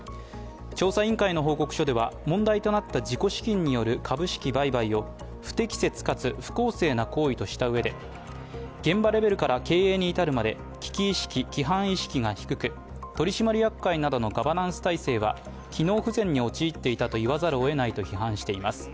調査委員会の報告書では、問題となった自己資金による株式売買を不適切かつ不公正な行為としたうえで現場レベルから経営に至るまで危機意識、規範意識が低く取締役会などのガバナンス体制は機能不全に陥っていたといわざるをえないと判断しています。